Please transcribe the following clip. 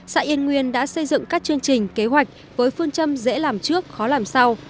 xã yên nguyên đã xây dựng các chương trình kế hoạch với phương châm dễ làm trước khó làm sau